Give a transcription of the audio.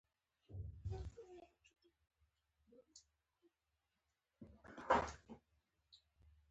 د پیتالوژي علم د بدن هره برخه څېړي.